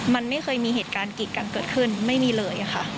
มันไม่เคยมีเหตุการณ์กีดกันเกิดขึ้นไม่มีเลยค่ะ